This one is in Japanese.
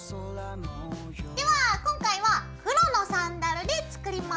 では今回は黒のサンダルで作ります。